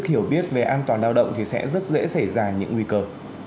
những kiểu biết về an toàn lao động thì sẽ rất dễ xảy ra những nguy cơ